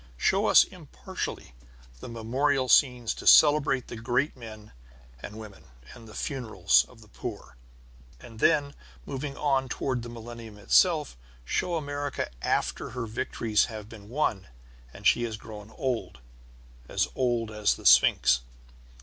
Show us impartially the memorial scenes to celebrate the great men and women, and the funerals of the poor. And then moving on toward the millennium itself, show America after her victories have been won, and she has grown old, as old as the Sphinx.